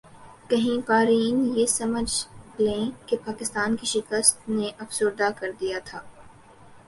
کہیں قارئین یہ نہ سمجھ لیں کہ پاکستان کی شکست نے افسردہ کردیا تھا